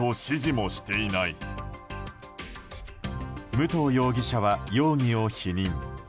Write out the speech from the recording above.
武藤容疑者は容疑を否認。